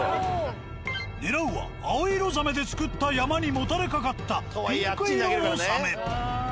狙うは青色ザメで作った山にもたれかかったピンク色のサメ。